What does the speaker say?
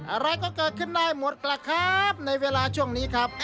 อะไรก็เกิดขึ้นได้หมดล่ะครับในเวลาช่วงนี้ครับ